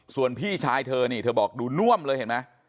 ส่วนพี่ชายเธอนี่เธอบอกดูน่วมเลยเห็นไหม